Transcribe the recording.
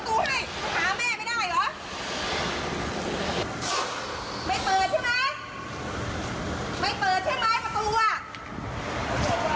มาอยากอำมาตย์มาหาพี่เห็นบอกนะ